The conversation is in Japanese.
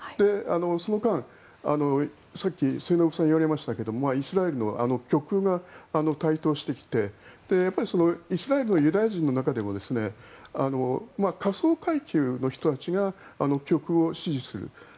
その間、さっき末延さんが言われましたけどイスラエルの極右が台頭してきてイスラエルのユダヤ人の中でも下層階級の人たちが極右を支持する。